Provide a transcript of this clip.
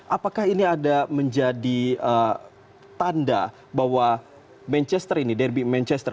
apakah ini ada menjadi tanda bahwa manchester ini derby manchester